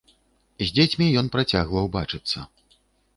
З дзецьмі ён працягваў бачыцца.